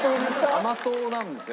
甘党なんですよ。